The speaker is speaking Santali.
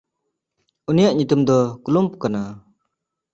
ᱩᱱᱤᱭᱟᱜ ᱧᱩᱛᱩᱢ ᱫᱚ ᱠᱞᱩᱢᱯ ᱠᱟᱱᱟ᱾